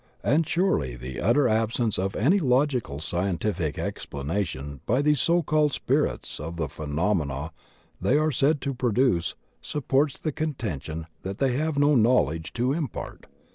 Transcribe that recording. And surely the utter absence of any logical scientific explanation by these so called spirits of the phenomena they are said to produce supports the contention that they have no knowledge to impart.